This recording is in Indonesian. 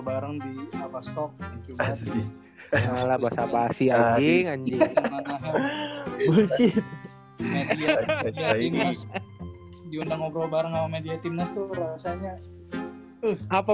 bareng di abas talk bahasa asia anjing anjing hahaha diundang ngobrol bareng itu rasanya apa